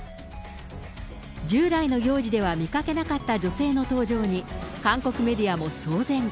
従来の行事では見かけなかった女性の登場に、韓国メディアも騒然。